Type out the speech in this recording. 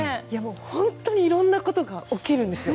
本当にいろんなことが起きるんですよ。